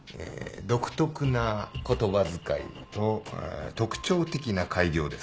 独特な言葉遣いと特徴的な改行です。